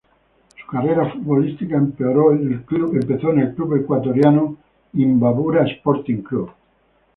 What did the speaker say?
Su carrera futbolística empezó en el club ecuatoriano Imbabura Sporting Club